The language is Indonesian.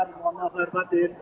mohon maaf lahir batin